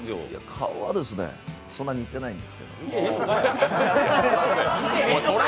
顔は、そんなに似てないんですけど。